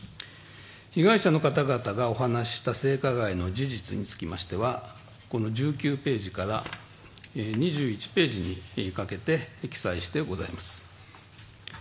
被害者の方々がお話しした性加害の事実につきましては１９ページから２１ページにかけて記載してございます。